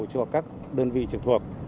cho các đơn vị trực thuộc